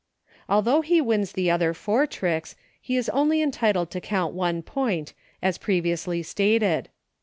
Although he wins the other four tricks, he is only entitled to count one point, as previously stated.